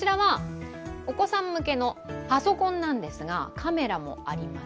お子さん向けのパソコンなんですがカメラもあります